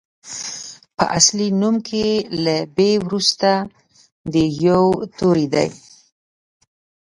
په اصلي نوم کې له بي وروسته د يوو توری دی.